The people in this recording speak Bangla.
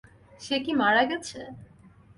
সে কি মারা গেছে?